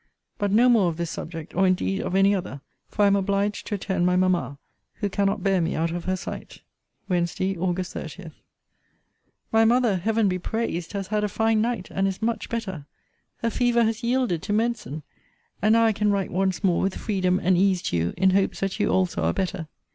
But no more of this subject, or indeed of any other; for I am obliged to attend my mamma, who cannot bear me out of her sight. WEDNESDAY, AUG. 30. My mother, Heaven be praised! has had a fine night, and is much better. Her fever has yielded to medicine! and now I can write once more with freedom and ease to you, in hopes that you also are better.